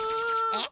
えっ？